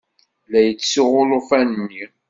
La yettsuɣu ulufan-nni.